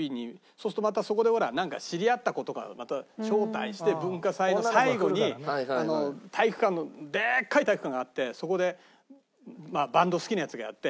そうするとまたそこでほら知り合った子とかまた招待して文化祭の最後に体育館のでーっかい体育館があってそこでバンド好きなヤツがやって。